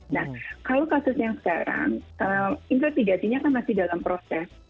nah kalau kasus yang sekarang investigasinya kan masih dalam proses